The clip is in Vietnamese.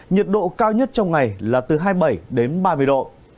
nhiệt độ cao nhất trong ngày là từ hai mươi bảy đến ba mươi độ